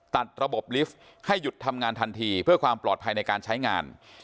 ตัดระบบลิฟต์ให้หยุดทำงานทันทีเพื่อความปลอดภัยในการใช้งาน